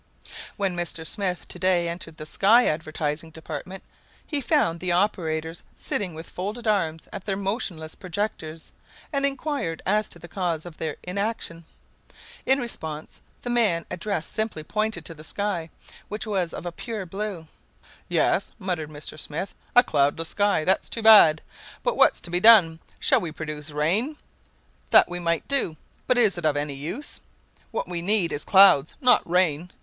When Mr. Smith to day entered the sky advertising department, he found the operators sitting with folded arms at their motionless projectors, and inquired as to the cause of their inaction. In response, the man addressed simply pointed to the sky, which was of a pure blue. "Yes," muttered Mr. Smith, "a cloudless sky! That's too bad, but what's to be done? Shall we produce rain? That we might do, but is it of any use? What we need is clouds, not rain.